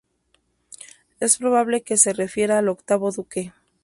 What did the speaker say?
Es probable que se refiera al octavo duque.